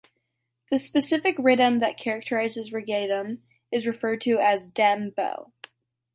The specific "riddim" that characterizes reggaeton is referred to as "Dem Bow".